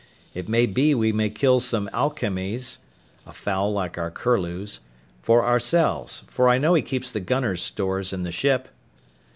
It may be we may kill some alcamies (a fowl like our curlews) for ourselves, for I know he keeps the gunner's stores in the ship."